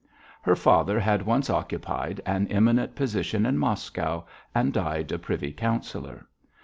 Her father had once occupied an eminent position in Moscow and died a privy councillor.